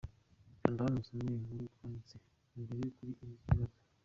Kanda hano usome inkuru twanditse mbere kuri iki kibazo .